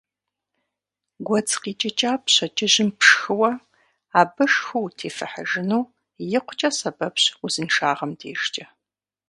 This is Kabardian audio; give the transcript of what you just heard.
Гуэдз къикӏыкӏа пщэдджыжьым пшхыуэ, абы шху утефыхьыжыну икъукӏэ сэбэпщ узыншагъэм дежкӏэ.